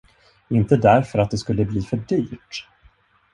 Inte därför att det skulle bli för dyrt.